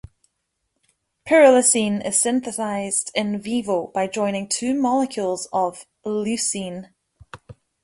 Pyrrolysine is synthesized "in vivo" by joining two molecules of -lysine.